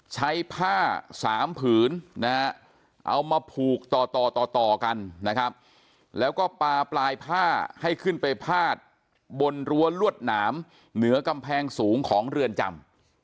ใช้ผ้าสามผืนนะฮะเอามาผูกต่อต่อต่อกันนะครับแล้วก็ปลาปลายผ้าให้ขึ้นไปพาดบนรั้วลวดหนามเหนือกำแพงสูงของเรือนจำ